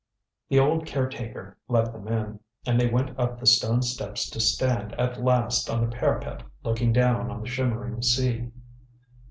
The old caretaker let them in, and they went up the stone steps to stand at last on the parapet looking down on the shimmering sea.